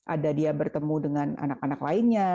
ada dia bertemu dengan anak anak lainnya